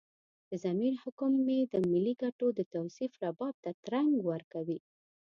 د ضمیر حکم مې د ملي ګټو د توصيف رباب ته ترنګ ورکوي.